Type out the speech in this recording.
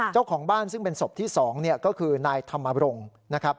เจ้าของบ้านซึ่งเป็นศพที่๒ก็คือนายธรรมรงค์นะครับ